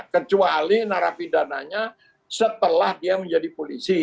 kecuali narapidananya setelah dia menjadi polisi